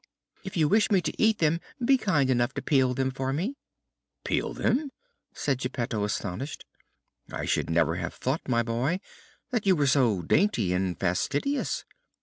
"If you wish me to eat them, be kind enough to peel them for me." "Peel them?" said Geppetto, astonished. "I should never have thought, my boy, that you were so dainty and fastidious.